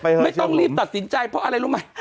ไม่ต้องรีบตัดสินใจเพราะอะไรรู้ไหม